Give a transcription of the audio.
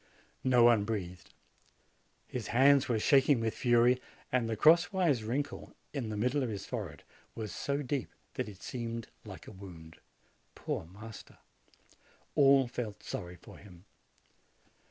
No one breathed. His hands were shaking with fury, and the cross wise wrinkle in the middle of his forehead was so deep that it seemed like a wound. Poor master! All felt sorry for him.